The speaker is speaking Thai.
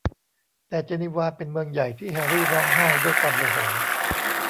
แต่เจนีวาเป็นเมืองใหญ่ที่แฮร์รี่ร้องไห้ด้วยความโมโห